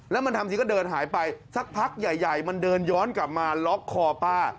แล้วมันทำทีก็เดินหายไปสักพักใหญ่มันเดินย้อนกลับมาล็อกคอป้า